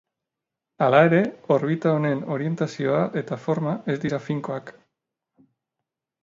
Hala ere orbita honen orientazioa eta forma ez dira finkoak.